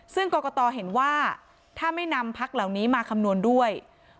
ซึ่งกรกตเห็นว่าถ้าไม่นำพักเหล่านี้มาคำนวณด้วย